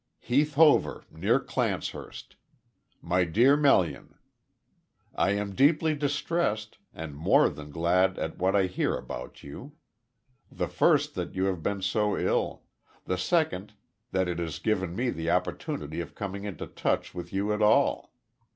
"Heath Hover, Near Clancehurst. "My dear Melian, "I am deeply distressed, and more than glad at what I hear about you; the first that you have been so ill, the second that it has given me the opportunity of coming into touch with you at all.